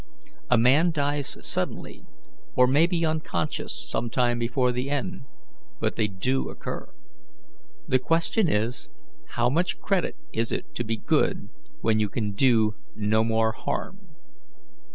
A man dies suddenly, or may be unconscious some time before the end. But they do occur. The question is, How much credit is it to be good when you can do no more harm?